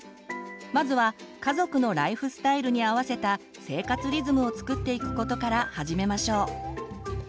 まずは家族のライフスタイルに合わせた生活リズムをつくっていくことから始めましょう。